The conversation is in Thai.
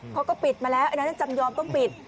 เขาก็ปิดมาแล้วอันนั้นจำยอมต้องปิด